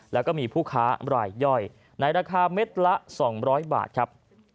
แล้วก็มีผู้ค้ารายย่อยในราคาเม็ดละ๒๐๐บาทครับ